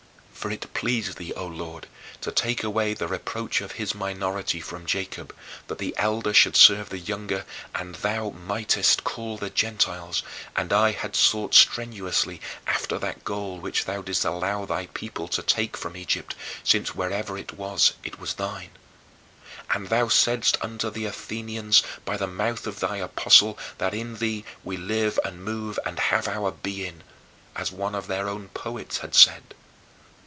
For it pleased thee, O Lord, to take away the reproach of his minority from Jacob, that the elder should serve the younger and thou mightest call the Gentiles, and I had sought strenuously after that gold which thou didst allow thy people to take from Egypt, since wherever it was it was thine. And thou saidst unto the Athenians by the mouth of thy apostle that in thee "we live and move and have our being," as one of their own poets had said.